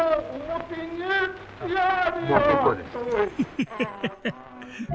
ヘヘヘヘッ。